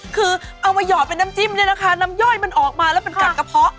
คือเอามาหยอดเป็นน้ำจิ้มเนี่ยนะคะน้ำย่อยมันออกมาแล้วเป็นกัดกระเพาะ